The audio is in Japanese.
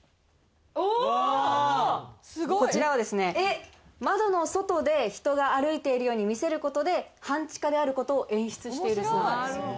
こちらは窓の外で人が歩いてるように見せることで、半地下であることを演出しているという。